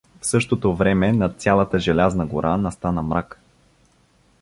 В същото време над цялата желязна гора настана мрак.